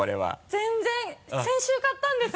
全然先週買ったんです。